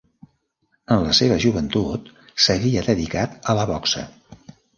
En la seva joventut s'havia dedicat a la boxa.